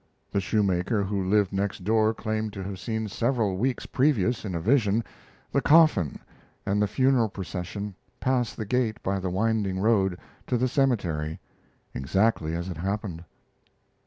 The shoemaker who lived next door claimed to have seen several weeks previous, in a vision, the coffin and the funeral procession pass the gate by the winding road, to the cemetery, exactly as it happened.